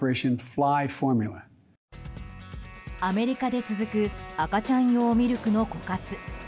アメリカで続く赤ちゃん用ミルクの枯渇。